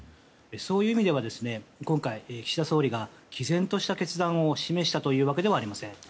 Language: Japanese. そういう意味では、今回岸田総理が毅然とした決断を示したというわけではありません。